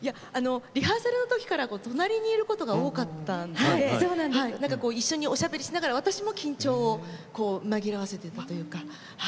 リハーサルのときから隣にいることが多かったので一緒におしゃべりしながら私も一緒に緊張を紛らわせてたというか。